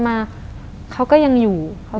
ทำไมเขาถึงจะมาอยู่ที่นั่น